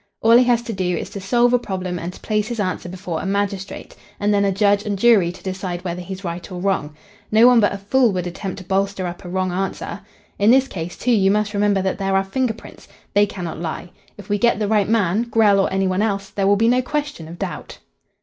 All he has to do is to solve a problem and to place his answer before a magistrate, and then a judge and jury to decide whether he's right or wrong. No one but a fool would attempt to bolster up a wrong answer. In this case, too, you must remember that there are finger prints. They cannot lie. If we get the right man Grell or any one else there will be no question of doubt."